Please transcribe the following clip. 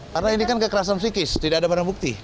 karena ini kan kekerasan psikis tidak ada barang bukti